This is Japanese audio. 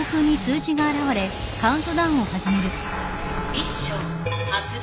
ミッション発動。